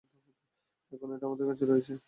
এখন এটা আমাদের কাছে রয়েছে।